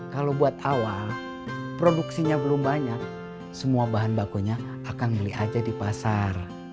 kalau buat awal produksinya belum banyak semua bahan bakunya akan beli aja di pasar